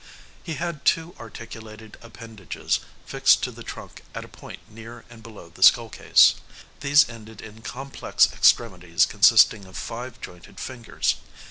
He had two articulated appendages fixed to the trunk at a point near and below the skull case. These ended in complex extremities consisting of five jointed fingers.